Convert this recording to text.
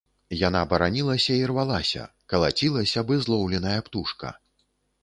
Яна баранілася і рвалася, калацілася, бы злоўленая птушка.